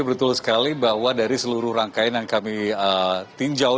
betul sekali bahwa dari seluruh rangkaian yang kami tinjau